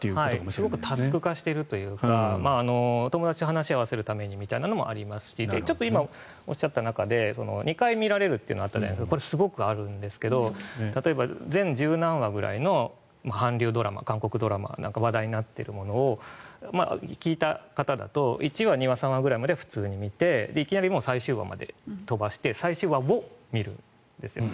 すごくタスク化しているというか友達と話を合わせるためにみたいなのもありますし今、おっしゃった中で２回見られるというこれはすごくあるんですが例えば全１０何話みたいな韓流ドラマ韓国ドラマかなんか話題になっているものに聞いた方だと１話、２話、３話ぐらいまで普通に見ていきなり最終話まで飛ばして最終話を見るんです。